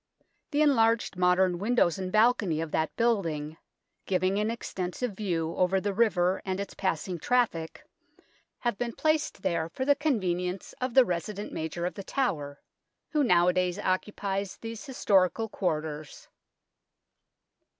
The enlarged modern windows and balcony of that building, giving an extensive view over the river and its passing traffic, have been placed there for the convenience of the resident Major of The Tower, who nowadays occupies these historical quarters.